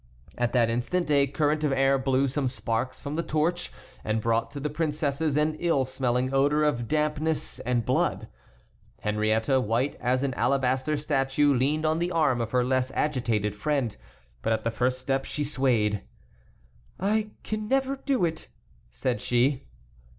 At that instant a current of air blew some sparks from the torch and brought to the princesses an ill smelling odor of dampness and blood. Henriette, white as an alabaster statue, leaned on the arm of her less agitated friend; but at the first step she swayed. "I can never do it," said she.